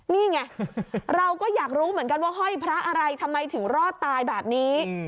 นี่ไงเราก็อยากรู้เหมือนกันว่าห้อยพระอะไรทำไมถึงรอดตายแบบนี้